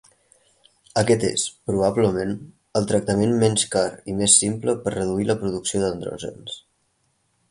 Aquest és probablement el tractament menys car i més simple per reduir la producció d'andrògens.